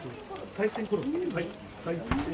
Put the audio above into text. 海鮮コロッケ。